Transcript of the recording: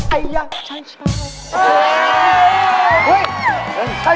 ไอย้ชาย